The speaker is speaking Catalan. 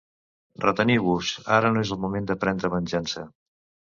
Reteniu-vos, ara no és el moment de prendre venjança.